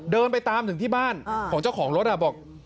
เดินไปตามถึงที่บ้านของเจ้าของรถบอก